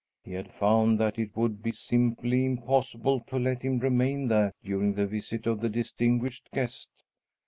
He had found that it would be simply impossible to let him remain there during the visit of the distinguished guest.